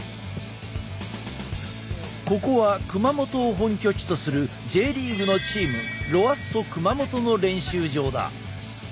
ここは熊本を本拠地とするＪリーグのチームロアッソ熊本の練習場だ。